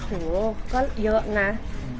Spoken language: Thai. ตรงนี้เดี๋ยวได้งั้น